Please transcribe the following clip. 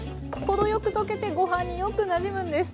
程よく溶けてご飯によくなじむんです。